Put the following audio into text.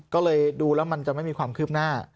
ก็เลยดูแล้วมันจะไม่มีความคืบหน้า